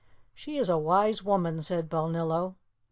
"She is a wise woman," said Balnillo.